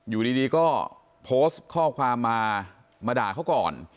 อยู่ดีก็โพสต์ข้อความมามาด่าเขาก่อน